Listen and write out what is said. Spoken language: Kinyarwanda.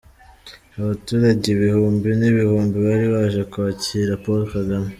Abaturage ibihumbi n'ibihumbi bari baje kwakira Paul Kagame.